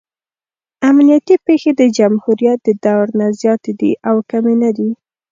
امنیتي پېښې د جمهوریت د دور نه زیاتې دي او کمې نه دي.